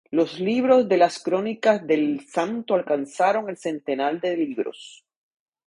Los libros de las crónicas del El Santo alcanzaron el centenar de libros.